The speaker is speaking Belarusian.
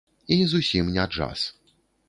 І зусім не джаз.